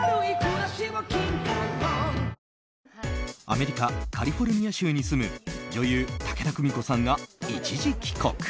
アメリカカリフォルニア州に住む女優・武田久美子さんが一時帰国。